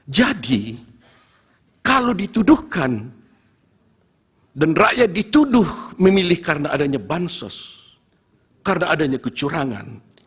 jadi kalau dituduhkan dan rakyat dituduh memilih karena adanya bansos karena adanya kecurangan